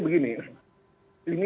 yang penting begini